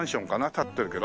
立ってるけど。